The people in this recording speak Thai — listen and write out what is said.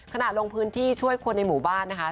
ขณะลงพื้นที่ช่วยคนในหมู่บ้านนะคะ